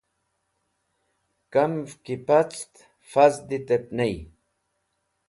Kamẽv ki pacẽt fazditẽb ney.